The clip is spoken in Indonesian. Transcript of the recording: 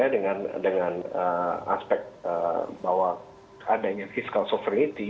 dengan aspek bahwa adanya fiscal sovereignty